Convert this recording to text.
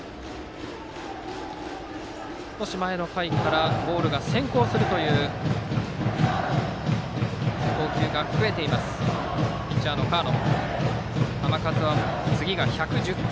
少し前の回からボールが先行するという投球が増えているピッチャーの河野。